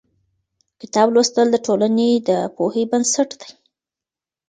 کتاب لوستل د ټولنې د پوهې بنسټ دی.